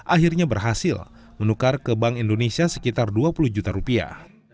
akhirnya berhasil menukar ke bank indonesia sekitar dua puluh juta rupiah